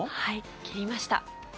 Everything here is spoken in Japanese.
切りました。